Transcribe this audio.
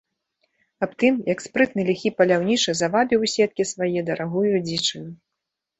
Аб тым, як спрытны ліхі паляўнічы завабіў у сеткі свае дарагую дзічыну.